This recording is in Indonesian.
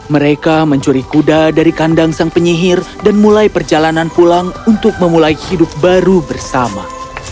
mereka mencuri kuda dari kandang sang penyihir dan mulai perjalanan pulang untuk memulai hidup baru bersama